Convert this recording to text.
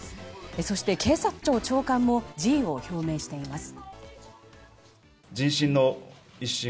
そして、警察庁長官も辞意を表明しています。